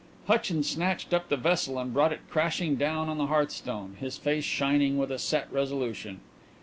Hutchins snatched up the vessel and brought it crashing down on the hearthstone, his face shining with a set resolution.